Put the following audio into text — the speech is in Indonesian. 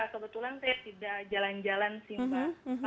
kebetulan saya tidak jalan jalan sih mbak